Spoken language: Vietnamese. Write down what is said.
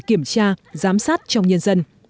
kiểm tra giám sát trong nhân dân